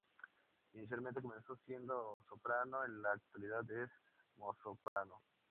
Inicialmente comenzó siendo soprano, en la actualidad es mezzosoprano.